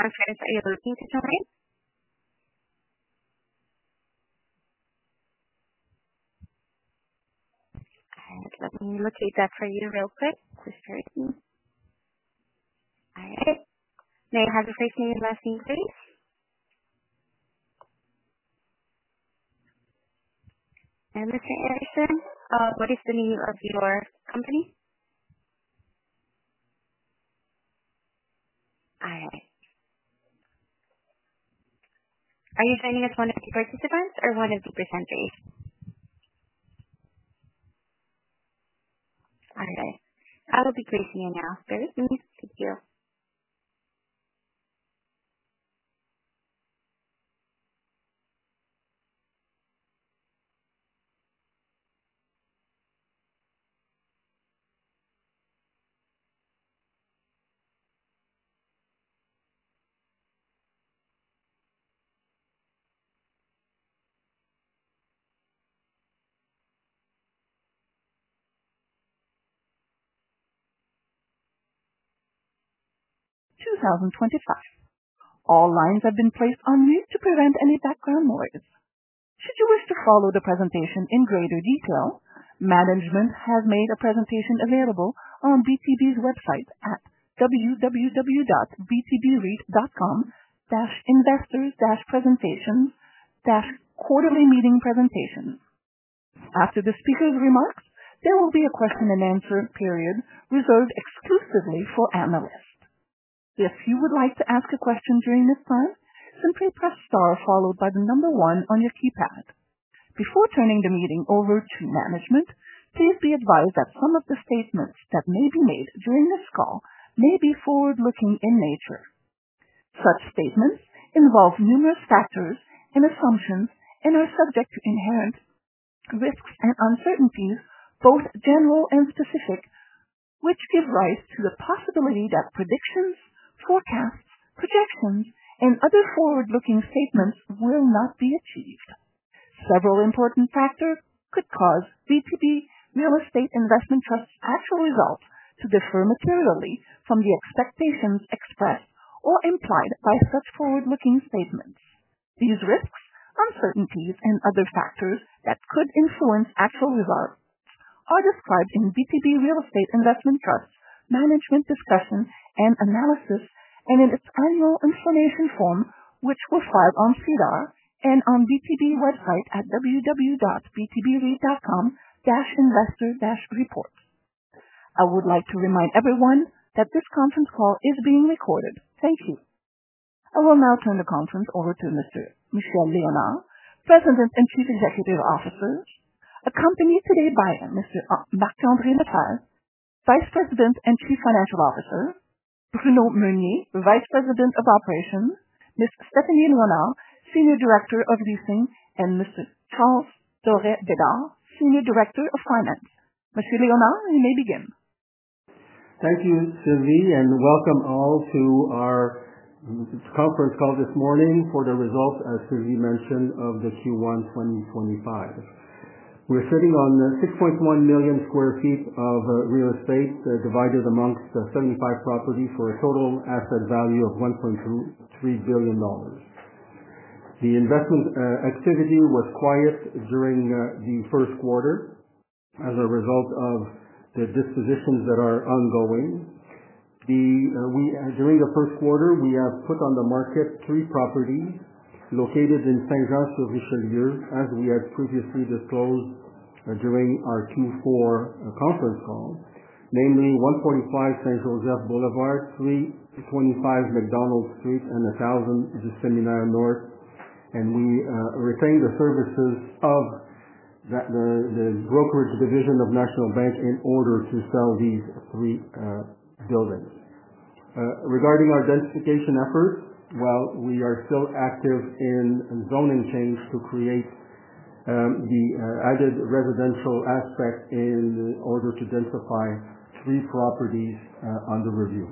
I'm sorry. Is that your booking time? All right. Let me locate that for you real quick. Just a second. All right. May I have your first name and last name, please? And Mr. Anderson, what is the name of your company? All right. Are you joining as one of the participants or one of the presenters? All right. I will be placing you now. Bear with me. Thank you. 2025. All lines have been placed on mute to prevent any background noise. Should you wish to follow the presentation in greater detail, management has made a presentation available on BTB's website at www.btbreit.com/investors/presentations/quarterly-meeting-presentations. After the speaker's remarks, there will be a question and answer period reserved exclusively for analysts. If you would like to ask a question during this time, simply press star followed by the number one on your keypad. Before turning the meeting over to management, please be advised that some of the statements that may be made during this call may be forward-looking in nature. Such statements involve numerous factors and assumptions and are subject to inherent risks and uncertainties, both general and specific, which give rise to the possibility that predictions, forecasts, projections, and other forward-looking statements will not be achieved. Several important factors could cause BTB Real Estate Investment Trust's actual results to differ materially from the expectations expressed or implied by such forward-looking statements. These risks, uncertainties, and other factors that could influence actual results are described in BTB Real Estate Investment Trust's management discussion and analysis and in its annual information form, which will file on SEDAR and on BTB's website at www.btbreit.com/investor-reports. I would like to remind everyone that this conference call is being recorded. Thank you. I will now turn the conference over to Mr. Michel Léonard, President and Chief Executive Officer, accompanied today by Mr. Marc-André Lefebvre, Vice President and Chief Financial Officer, Bruno Meunier, Vice President of Operations, Ms. Stephanie Léonard, Senior Director of Leasing, and Mr. Charles Dorais Bédard, Senior Director of Finance. Monsieur Léonard, you may begin. Thank you, Sylvie, and welcome all to our conference call this morning for the results, as Sylvie mentioned, of the Q1 2025. We're sitting on 6.1 million sq ft of real estate divided amongst 75 properties for a total asset value of 1.3 billion dollars. The investment activity was quiet during the first quarter as a result of the dispositions that are ongoing. During the first quarter, we have put on the market three properties located in Saint-Jean-sur-Richelieu, as we had previously disclosed during our Q4 conference call, namely 145 Saint-Joseph Boulevard, 325 McDonald Street, and 1000 du Séminaire Nord. We retained the services of the brokerage division of National Bank in order to sell these three buildings. Regarding our densification efforts, while we are still active in zoning change to create the added residential aspect in order to densify three properties under review.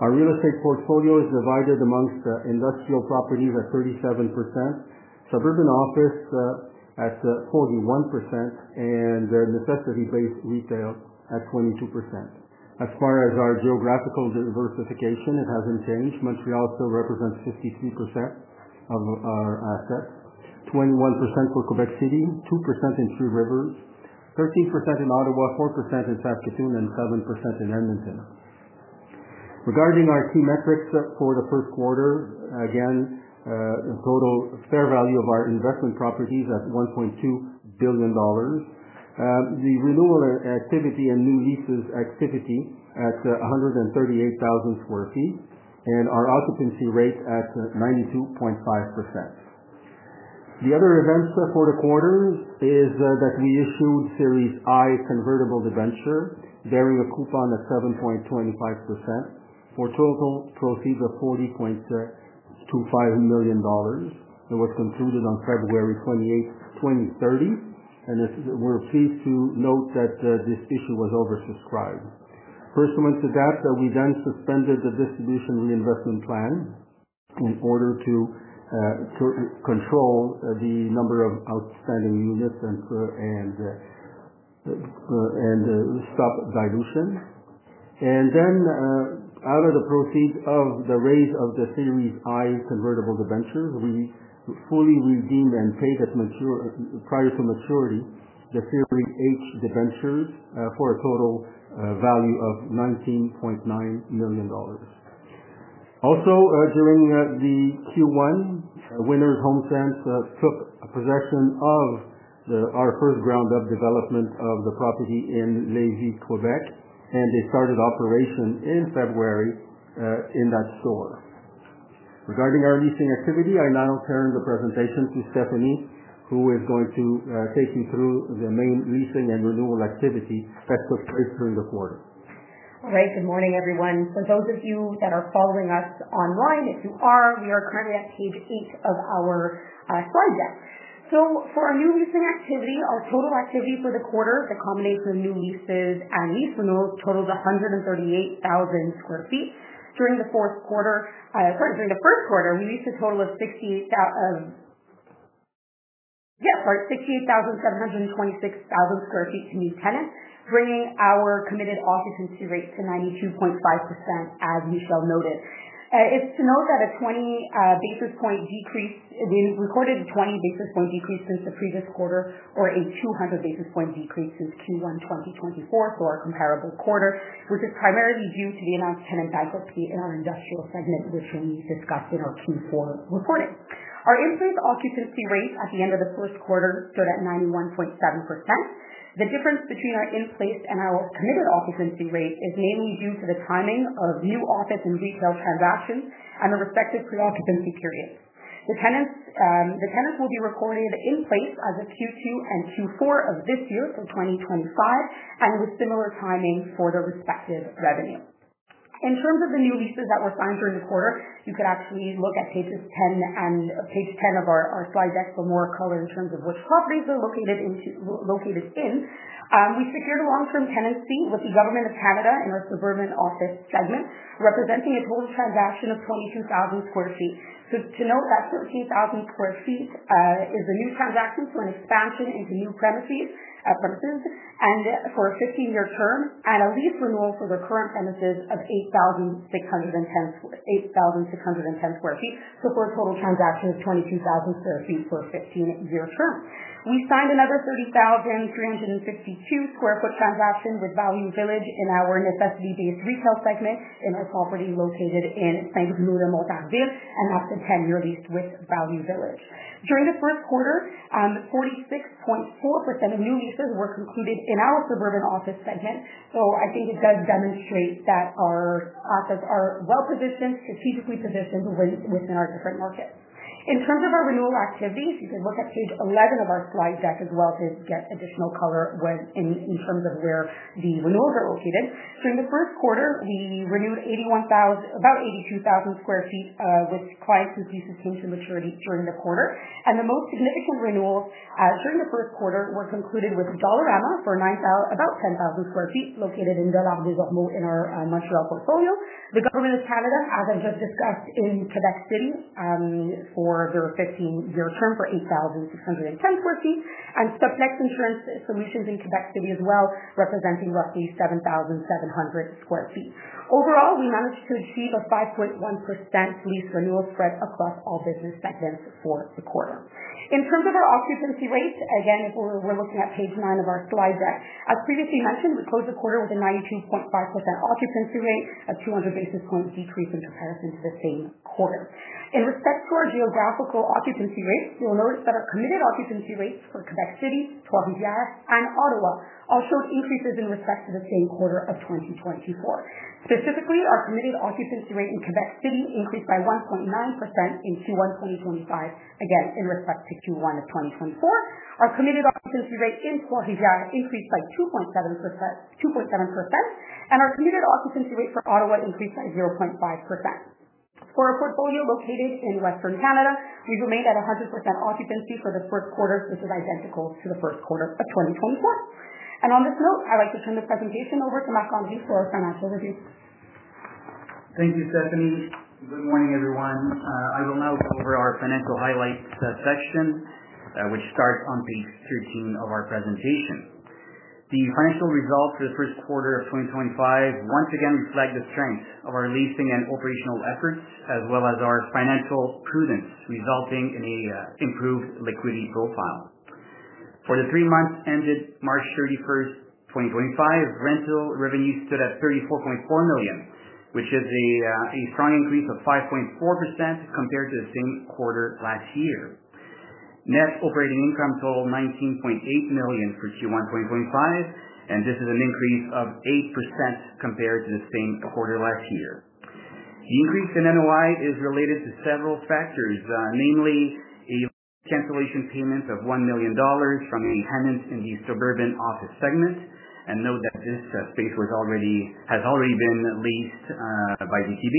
Our real estate portfolio is divided amongst industrial properties at 37%, suburban office at 41%, and necessity-based retail at 22%. As far as our geographical diversification, it has not changed. Montreal still represents 53% of our assets, 21% for Quebec City, 2% in Trois-Rivières, 13% in Ottawa, 4% in Saskatoon, and 7% in Edmonton. Regarding our key metrics for the first quarter, again, the total fair value of our investment properties at 1.2 billion dollars, the renewal activity and new leases activity at 138,000 sq ft, and our occupancy rate at 92.5%. The other event for the quarter is that we issued Series I convertible debenture bearing a coupon at 7.25% for total proceeds of 40.25 million dollars. It was concluded on February 28, 2030. We are pleased to note that this issue was oversubscribed. First amongst that, we then suspended the distribution reinvestment plan in order to control the number of outstanding units and stop dilution. Then, out of the proceeds of the raise of the Series I convertible debenture, we fully redeemed and paid prior to maturity the Series H debentures for a total value of 19.9 million dollars. Also, during the Q1, Winners took possession of our first ground-up development of the property in Lévis, Quebec, and they started operation in February in that store. Regarding our leasing activity, I now turn the presentation to Stephanie, who is going to take you through the main leasing and renewal activity that took place during the quarter. All right. Good morning, everyone. For those of you that are following us online, if you are, we are currently at page eight of our slide deck. For our new leasing activity, our total activity for the quarter, the combination of new leases and lease renewals, totals 138,000 sq ft. During the fourth quarter, sorry, during the first quarter, we leased a total of 68,726 sq ft to new tenants, bringing our committed occupancy rate to 92.5%, as Michel noted. It is to note that a 20 basis point decrease, we recorded a 20 basis point decrease since the previous quarter, or a 200 basis point decrease since Q1 2024, so our comparable quarter, which is primarily due to the announced tenant bankruptcy in our industrial segment, which we discussed in our Q4 reporting. Our in-place occupancy rate at the end of the first quarter stood at 91.7%. The difference between our in-place and our committed occupancy rate is mainly due to the timing of new office and retail transactions and the respective pre-occupancy periods. The tenants will be recorded in place as of Q2 and Q4 of this year for 2025, and with similar timing for the respective revenue. In terms of the new leases that were signed during the quarter, you could actually look at pages 10 and page 10 of our slide deck for more color in terms of which properties they're located in. We secured a long-term tenancy with the Government of Canada in our suburban office segment, representing a total transaction of 22,000 sq ft. To note that 13,000 sq ft is a new transaction for an expansion into new premises and for a 15-year term, and a lease renewal for the current premises of 8,610 sq ft. For a total transaction of 22,000 sq ft for a 15-year term. We signed another 30,362 sq ft transaction with Value Village in our necessity-based retail segment in our property located in Saint-Jean-sur-Richelieu, Montérégie, and that's a 10-year lease with Value Village. During the first quarter, 46.4% of new leases were concluded in our suburban office segment. I think it does demonstrate that our assets are well-positioned, strategically positioned within our different markets. In terms of our renewal activities, you could look at page 11 of our slide deck as well to get additional color in terms of where the renewals are located. During the first quarter, we renewed about 82,000 sq ft with clients whose leases came to maturity during the quarter. The most significant renewals during the first quarter were concluded with Dollarama for about 10,000 sq ft located in Dollard-des-Ormeaux in our Montreal portfolio, the Government of Canada, as I've just discussed, in Quebec City for their 15-year term for 8,610 sq ft, and Soplex Insurance Solutions in Quebec City as well, representing roughly 7,700 sq ft. Overall, we managed to achieve a 5.1% lease renewal spread across all business segments for the quarter. In terms of our occupancy rate, again, we're looking at page 9 of our slide deck. As previously mentioned, we closed the quarter with a 92.5% occupancy rate, a 200 basis point decrease in comparison to the same quarter. In respect to our geographical occupancy rates, you'll notice that our committed occupancy rates for Quebec City, Trois-Rivières, and Ottawa all showed increases in respect to the same quarter of 2024. Specifically, our committed occupancy rate in Quebec City increased by 1.9% in Q1 2025, again, in respect to Q1 of 2024. Our committed occupancy rate in Trois-Rivières increased by 2.7%, and our committed occupancy rate for Ottawa increased by 0.5%. For our portfolio located in Western Canada, we remained at 100% occupancy for the first quarter, which is identical to the first quarter of 2024. On this note, I'd like to turn the presentation over to Marc-André for our financial review. Thank you, Stephanie. Good morning, everyone. I will now go over our financial highlights section, which starts on page 13 of our presentation. The financial results for the first quarter of 2025 once again reflect the strength of our leasing and operational efforts, as well as our financial prudence, resulting in an improved liquidity profile. For the three months ended March 31st, 2025, rental revenues stood at 34.4 million, which is a strong increase of 5.4% compared to the same quarter last year. Net operating income totaled 19.8 million for Q1 2025, and this is an increase of 8% compared to the same quarter last year. The increase in NOI is related to several factors, namely a cancellation payment of 1 million dollars from a tenant in the suburban office segment. Note that this space has already been leased by BTB.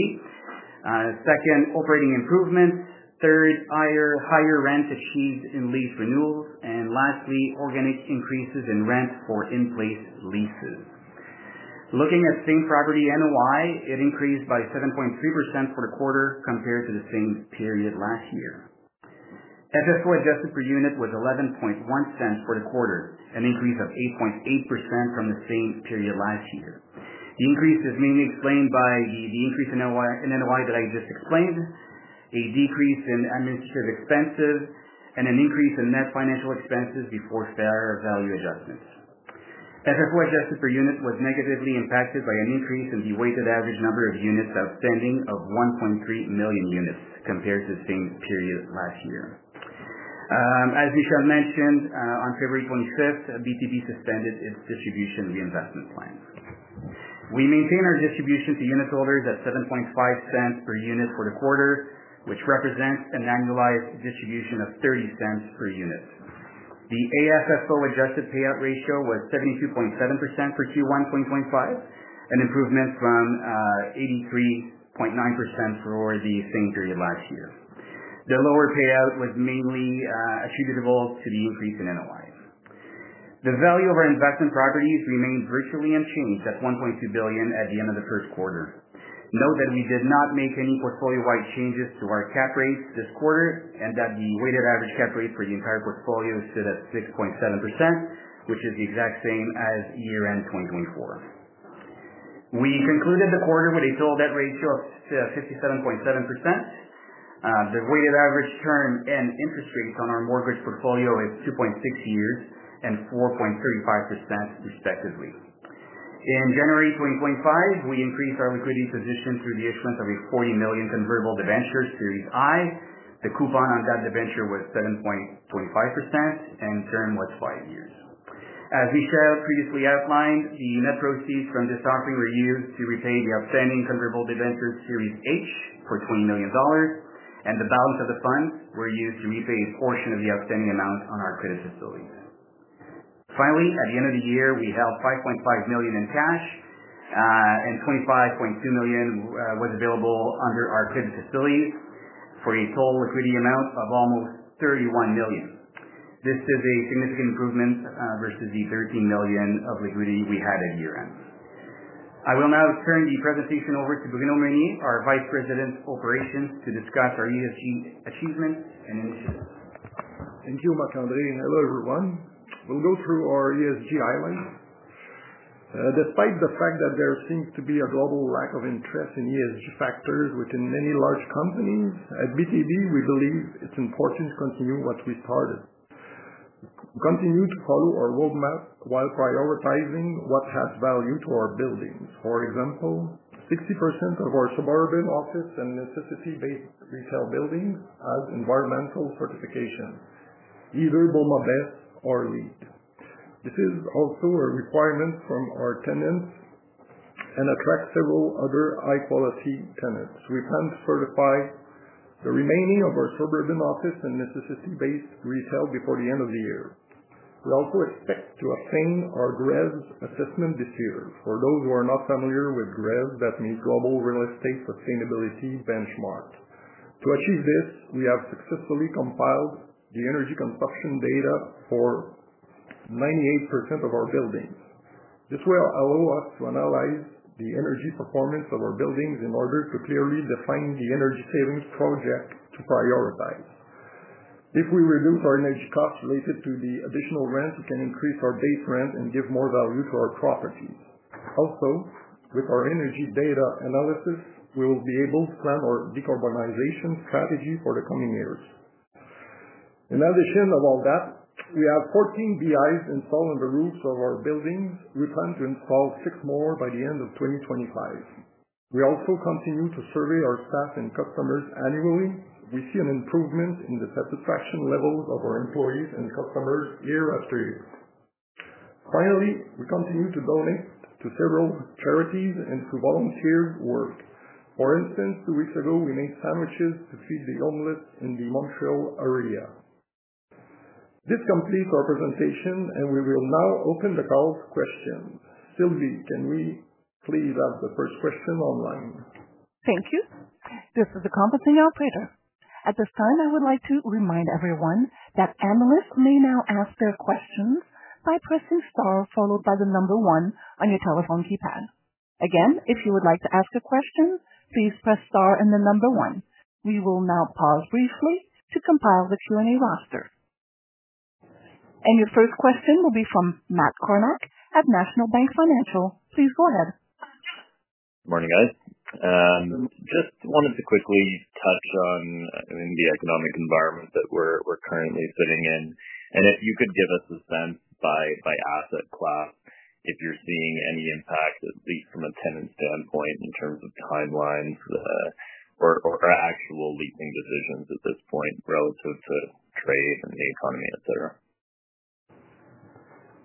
Second, operating improvements. Third, higher rent achieved in lease renewals. Lastly, organic increases in rent for in-place leases. Looking at same property NOI, it increased by 7.3% for the quarter compared to the same period last year. FFO adjusted per unit was CAD $0.111 for the quarter, an increase of 8.8% from the same period last year. The increase is mainly explained by the increase in NOI that I just explained, a decrease in administrative expenses, and an increase in net financial expenses before fair value adjustments. FFO adjusted per unit was negatively impacted by an increase in the weighted average number of units outstanding of 1.3 million units compared to the same period last year. As Michel mentioned, on February 25, BTB suspended its distribution reinvestment plan. We maintain our distribution to unitholders at 0.075 per unit for the quarter, which represents an annualized distribution of 0.30 per unit. The AFFO adjusted payout ratio was 72.7% for Q1 2025, an improvement from 83.9% for the same period last year. The lower payout was mainly attributable to the increase in NOI. The value of our investment properties remained virtually unchanged at CAD 1.2 billion at the end of the first quarter. Note that we did not make any portfolio-wide changes to our cap rates this quarter and that the weighted average cap rate for the entire portfolio stood at 6.7%, which is the exact same as year-end 2024. We concluded the quarter with a total debt ratio of 57.7%. The weighted average term and interest rates on our mortgage portfolio is 2.6 years and 4.35%, respectively. In January 2025, we increased our liquidity position through the issuance of a 40 million convertible debenture, Series I. The coupon on that debenture was 7.25%, and term was five years. As Michel previously outlined, the net proceeds from this offering were used to repay the outstanding convertible debenture, Series H, for 20 million dollars, and the balance of the funds were used to repay a portion of the outstanding amount on our credit facilities. Finally, at the end of the year, we held 5.5 million in cash, and 25.2 million was available under our credit facilities for a total liquidity amount of almost 31 million. This is a significant improvement versus the 13 million of liquidity we had at year-end. I will now turn the presentation over to Bruno Meunier, our Vice President of Operations, to discuss our ESG achievements and initiatives. Thank you, Marc-André. Hello, everyone. We'll go through our ESG islands. Despite the fact that there seems to be a global lack of interest in ESG factors within many large companies, at BTB, we believe it's important to continue what we started. Continue to follow our roadmap while prioritizing what has value to our buildings. For example, 60% of our suburban office and necessity-based retail buildings have environmental certification, either BOMA BEST or LEED. This is also a requirement from our tenants and attracts several other high-quality tenants. We plan to certify the remaining of our suburban office and necessity-based retail before the end of the year. We also expect to obtain our GRESB assessment this year. For those who are not familiar with GRESB, that means Global Real Estate Sustainability Benchmark. To achieve this, we have successfully compiled the energy consumption data for 98% of our buildings. This will allow us to analyze the energy performance of our buildings in order to clearly define the energy savings project to prioritize. If we reduce our energy costs related to the additional rent, we can increase our base rent and give more value to our properties. Also, with our energy data analysis, we will be able to plan our decarbonization strategy for the coming years. In addition to all that, we have 14 BIs installed on the roofs of our buildings. We plan to install six more by the end of 2025. We also continue to survey our staff and customers annually. We see an improvement in the satisfaction levels of our employees and customers year after year. Finally, we continue to donate to several charities and to volunteer work. For instance, two weeks ago, we made sandwiches to feed the homeless in the Montreal area. This completes our presentation, and we will now open the call for questions. Sylvie, can we please have the first question online? Thank you. This is a conferencing operator. At this time, I would like to remind everyone that analysts may now ask their questions by pressing Star followed by the number one on your telephone keypad. Again, if you would like to ask a question, please press Star and then number one. We will now pause briefly to compile the Q&A roster. Your first question will be from Matt Kornack at National Bank Financial. Please go ahead. Good morning, guys. Just wanted to quickly touch on the economic environment that we're currently sitting in. If you could give us a sense by asset class if you're seeing any impact, at least from a tenant standpoint, in terms of timelines or actual leasing decisions at this point relative to trade and the economy, etc.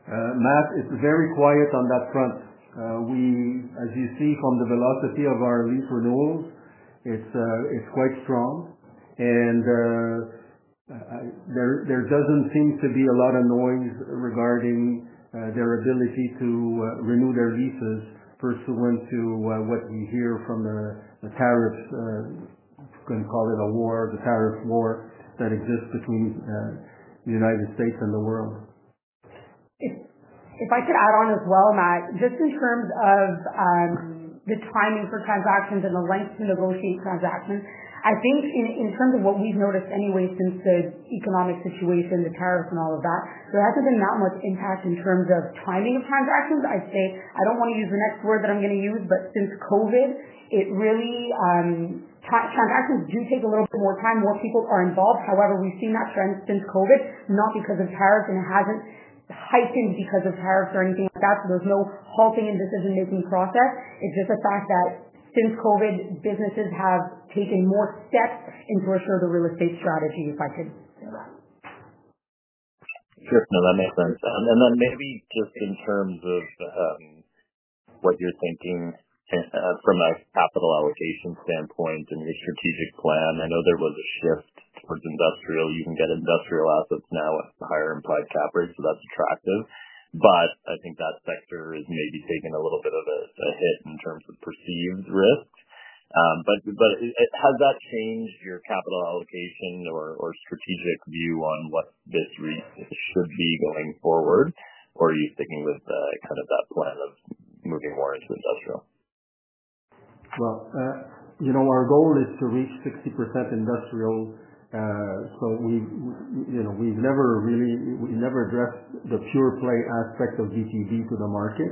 Matt, it's very quiet on that front. As you see from the velocity of our lease renewals, it's quite strong. There doesn't seem to be a lot of noise regarding their ability to renew their leases pursuant to what we hear from the tariffs—you can call it a war, the tariff war—that exists between the United States and the world. If I could add on as well, Matt, just in terms of the timing for transactions and the length to negotiate transactions, I think in terms of what we've noticed anyway since the economic situation, the tariffs, and all of that, there hasn't been that much impact in terms of timing of transactions. I'd say I don't want to use the next word that I'm going to use, but since COVID, transactions do take a little bit more time. More people are involved. However, we've seen that trend since COVID, not because of tariffs, and it hasn't heightened because of tariffs or anything like that. There is no halting in decision-making process. It's just the fact that since COVID, businesses have taken more steps into a shorter real estate strategy, if I could say that. Sure. No, that makes sense. Maybe just in terms of what you're thinking from a capital allocation standpoint and your strategic plan, I know there was a shift towards industrial. You can get industrial assets now at the higher implied cap rate, so that's attractive. I think that sector is maybe taking a little bit of a hit in terms of perceived risk. Has that changed your capital allocation or strategic view on what this REIT should be going forward, or are you sticking with kind of that plan of moving more into industrial? Our goal is to reach 60% industrial. We have never addressed the pure play aspect of BTB to the market.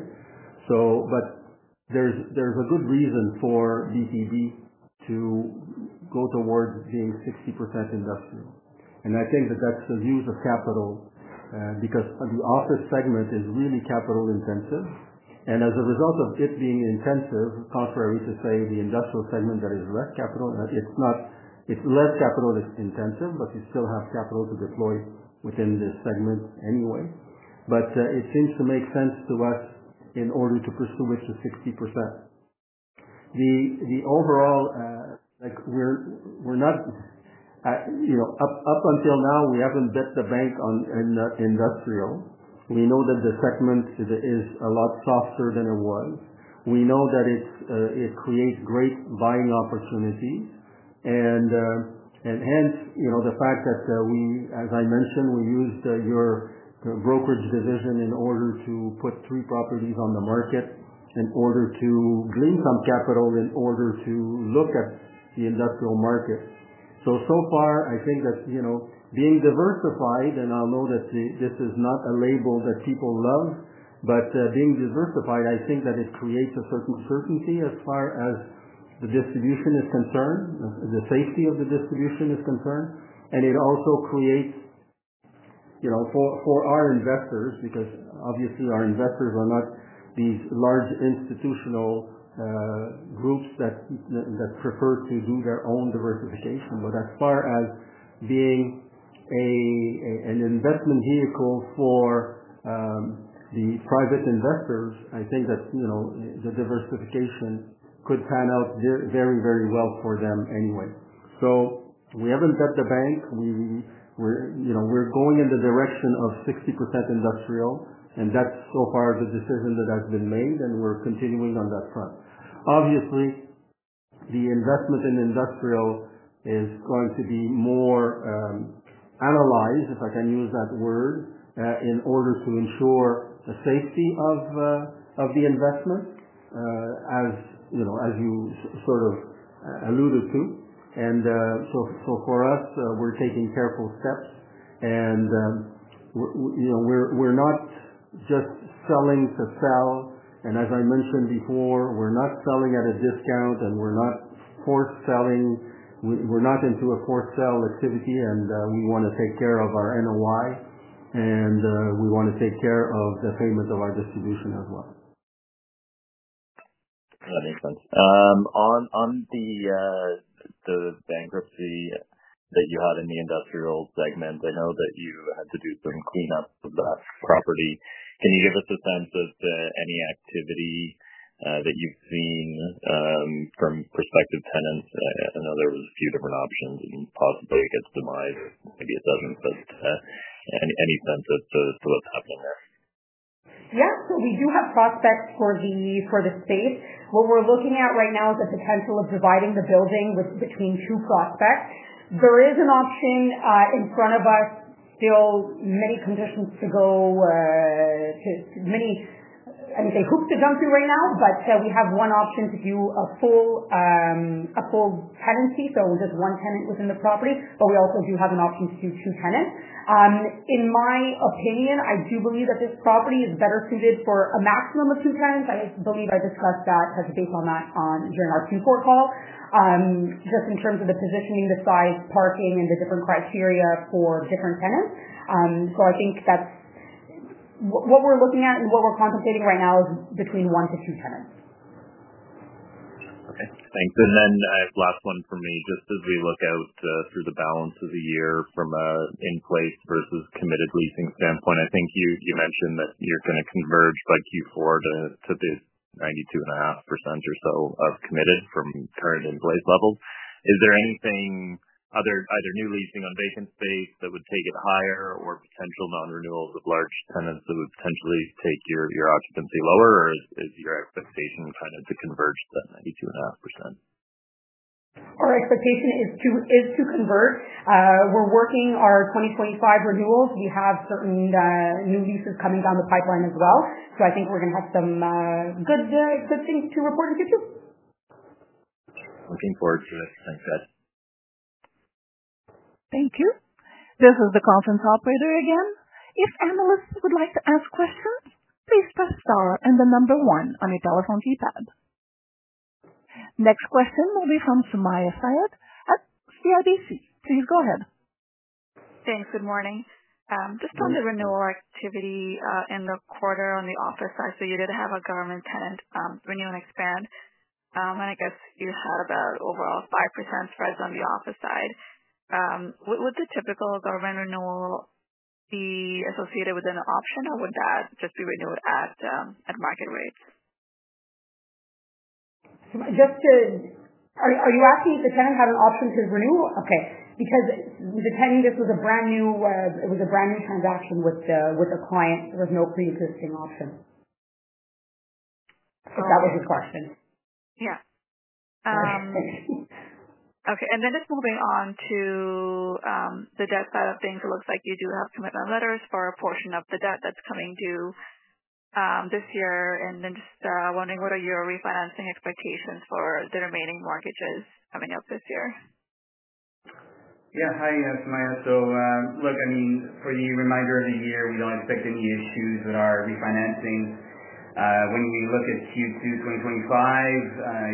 There is a good reason for BTB to go towards being 60% industrial. I think that is the use of capital because the office segment is really capital-intensive. As a result of it being intensive, contrary to, say, the industrial segment that is less capital, it is less capital-intensive, but you still have capital to deploy within this segment anyway. It seems to make sense to us in order to pursue it to 60%. Overall, up until now, we have not bet the bank on industrial. We know that the segment is a lot softer than it was. We know that it creates great buying opportunities. Hence, the fact that, as I mentioned, we used your brokerage division in order to put three properties on the market in order to glean some capital in order to look at the industrial market. So far, I think that being diversified—and I'll know that this is not a label that people love—but being diversified, I think that it creates a certain certainty as far as the distribution is concerned, the safety of the distribution is concerned. It also creates for our investors because, obviously, our investors are not these large institutional groups that prefer to do their own diversification. As far as being an investment vehicle for the private investors, I think that the diversification could pan out very, very well for them anyway. We haven't bet the bank. We're going in the direction of 60% industrial, and that's so far the decision that has been made, and we're continuing on that front. Obviously, the investment in industrial is going to be more analyzed, if I can use that word, in order to ensure the safety of the investment, as you sort of alluded to. For us, we're taking careful steps, and we're not just selling to sell. As I mentioned before, we're not selling at a discount, and we're not force selling. We're not into a force sale activity, and we want to take care of our NOI, and we want to take care of the payment of our distribution as well. That makes sense. On the bankruptcy that you had in the industrial segment, I know that you had to do some cleanup of that property. Can you give us a sense of any activity that you've seen from prospective tenants? I know there were a few different options. Possibly it gets demised, maybe it doesn't. Any sense as to what's happening there? Yeah. So we do have prospects for the space. What we're looking at right now is the potential of dividing the building between two prospects. There is an option in front of us. Still, many conditions to go to, many—I mean, hoops to jump through right now, but we have one option to do a full tenancy. So just one tenant within the property. But we also do have an option to do two tenants. In my opinion, I do believe that this property is better suited for a maximum of two tenants. I believe I discussed that, touched base on that during our Q4 call, just in terms of the positioning, the size, parking, and the different criteria for different tenants. I think that's what we're looking at, and what we're contemplating right now is between one to two tenants. Okay. Thanks. Last one for me, just as we look out through the balance of the year from an in-place versus committed leasing standpoint, I think you mentioned that you're going to converge by Q4 to the 92.5% or so of committed from current in-place levels. Is there anything other—either new leasing on vacant space that would take it higher or potential non-renewals of large tenants that would potentially take your occupancy lower? Is your expectation kind of to converge at that 92.5%? Our expectation is to converge. We're working our 2025 renewals. We have certain new leases coming down the pipeline as well. I think we're going to have some good things to report in future. Looking forward to it. Thanks, guys. Thank you. This is the conference operator again. If analysts would like to ask questions, please press Star and then number one on your telephone keypad. Next question will be from Sumayya Syed at CIBC. Please go ahead. Thanks. Good morning. Just on the renewal activity in the quarter on the office side, you did have a government tenant renew and expand. I guess you had about overall 5% spreads on the office side. Would the typical government renewal be associated with an option, or would that just be renewed at market rates? Are you asking if the tenant had an option to renew? Okay. Because the tenant, this was a brand new—it was a brand new transaction with a client. There was no pre-existing option, if that was your question. Yeah. Okay. Just moving on to the debt side of things, it looks like you do have commitment letters for a portion of the debt that's coming due this year. Just wondering, what are your refinancing expectations for the remaining mortgages coming up this year? Yeah. Hi, Sumayya. So look, I mean, for the remainder of the year, we do not expect any issues with our refinancing. When we look at Q2 2025,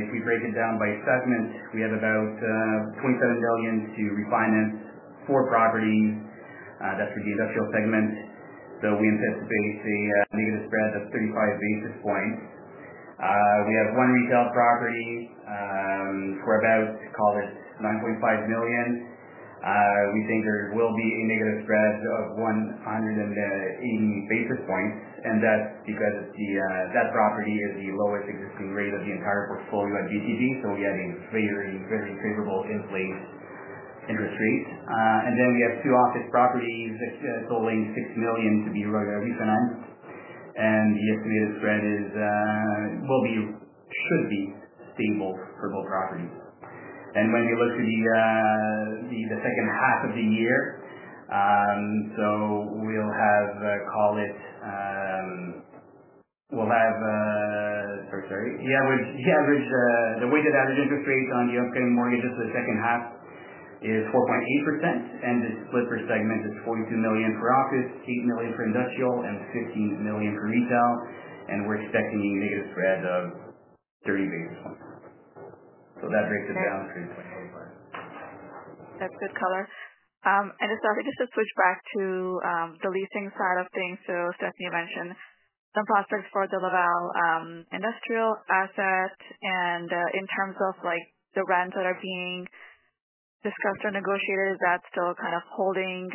if you break it down by segment, we have about 27 million to refinance, four properties. That is for the industrial segment. We anticipate a negative spread of 35 basis points. We have one retail property for about—call this—CAD 9.5 million. We think there will be a negative spread of 180 basis points. And that is because that property is the lowest existing rate of the entire portfolio at BTB. So we have a very, very favorable in-place interest rate. And then we have two office properties totaling 6 million to be refinanced. The estimated spread will be—should be—stable for both properties. When we look to the second half of the year, we will have—call it—we will have—sorry, sorry. The weighted average interest rate on the upcoming mortgages for the second half is 4.8%. The split per segment is 42 million for office, 8 million for industrial, and 15 million for retail. We are expecting a negative spread of 30 basis points. That breaks it down to 3.85. That's good color. I think just to switch back to the leasing side of things. Stephanie mentioned some prospects for the Laval industrial asset. In terms of the rents that are being discussed or negotiated, is that still kind of holding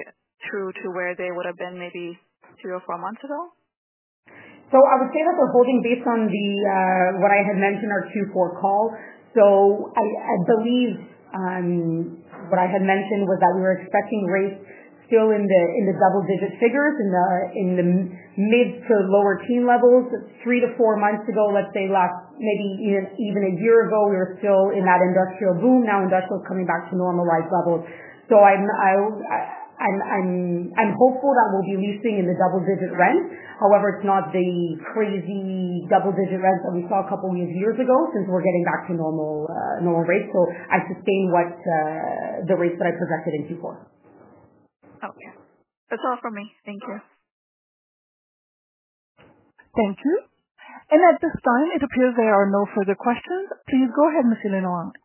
true to where they would have been maybe two or four months ago? I would say that they're holding based on what I had mentioned our Q4 call. I believe what I had mentioned was that we were expecting rates still in the double-digit figures in the mid to lower teen levels. Three to four months ago, let's say, maybe even a year ago, we were still in that industrial boom. Now industrial is coming back to normalized levels. I'm hopeful that we'll be leasing in the double-digit rent. However, it's not the crazy double-digit rent that we saw a couple of years ago since we're getting back to normal rates. I sustain the rates that I projected in Q4. Okay. That's all from me. Thank you. Thank you. At this time, it appears there are no further questions. Please go ahead, Mr. Léonard.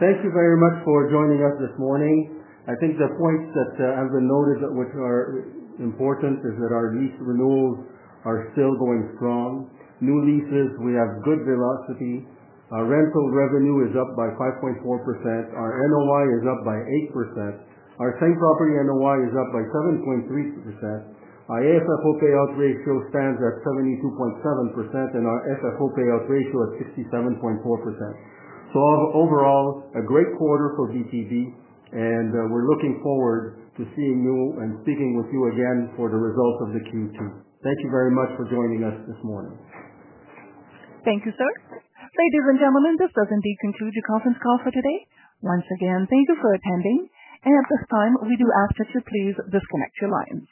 Thank you very much for joining us this morning. I think the points that have been noted which are important is that our lease renewals are still going strong. New leases, we have good velocity. Our rental revenue is up by 5.4%. Our NOI is up by 8%. Our same property NOI is up by 7.3%. Our AFFO payout ratio stands at 72.7%, and our FFO payout ratio at 67.4%. Overall, a great quarter for BTB, and we're looking forward to seeing you and speaking with you again for the results of the Q2. Thank you very much for joining us this morning. Thank you, sir. Ladies and gentlemen, this does indeed conclude your conference call for today. Once again, thank you for attending. At this time, we do ask that you please disconnect your lines.